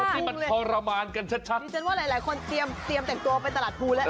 ที่มันทรมานกันชัดดิฉันว่าหลายคนเตรียมแต่งตัวไปตลาดภูแล้ว